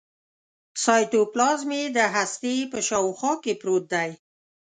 سایتوپلازم یې د هستې په شاوخوا کې پروت دی.